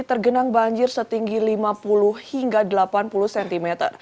tergenang banjir setinggi lima puluh hingga delapan puluh cm